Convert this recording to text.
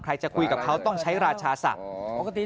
ใครจะคุยกับเขาต้องใช้ราชาศักดิ์